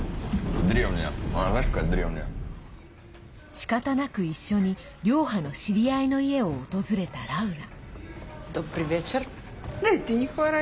しかたなく一緒にリョーハの知り合いの家を訪れたラウラ。